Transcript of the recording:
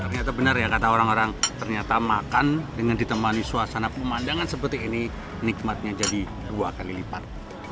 ternyata benar ya kata orang orang ternyata makan dengan ditemani suasana pemandangan seperti ini nikmatnya jadi dua kali lipat